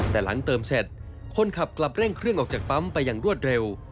แต่หลังเติมเสร็จคนขับกลับเร่งเครื่องออกจากปั๊มไปอย่างรวดเร็ว